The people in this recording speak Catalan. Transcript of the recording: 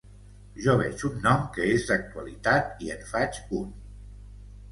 Jo veig un nom que és d’actualitat i en faig un.